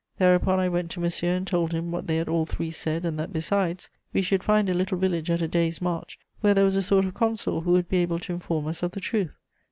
Thereupon I went to Monsieur and told him what they had all three said, and that, besides, we should find a little village at a day's march where there was a sort of consul who would be able to inform us of the truth.